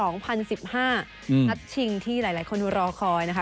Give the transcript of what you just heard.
นัดชิงที่หลายคนรอคอยนะคะ